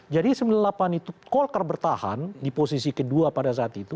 jadi seribu sembilan ratus sembilan puluh delapan itu golkar bertahan di posisi kedua pada saat itu